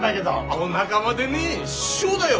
お仲間でねえ師匠だよ。